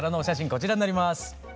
こちらになります。